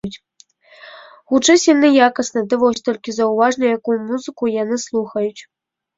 Гучаць яны якасна, ды вось толькі заўважна, якую музыку яны слухаюць.